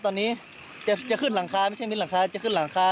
ตอนนี้จะขึ้นหลังคาไม่ใช่มิดหลังคาจะขึ้นหลังคา